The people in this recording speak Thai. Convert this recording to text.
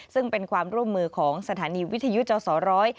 ซึ่งเป็นความร่วมมือของสถานีวิทยุจสอร้อย